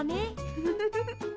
ウフフフ。